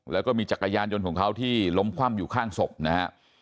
แล้วก็มีจักรยานยนต์ของเขาที่ล้มคว่ำอยู่ข้างศพนะฮะ